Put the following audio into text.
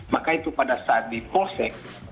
maka itu pada saat diposek